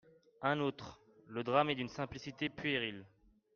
Un autre :« Le drame est d’une simplicité puérile.